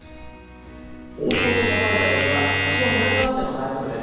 包丁でたたいたえびは多少むらがあっても大丈夫です。